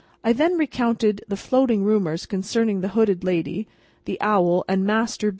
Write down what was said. I then recounted the floating rumours concerning the hooded lady, the owl, and Master B.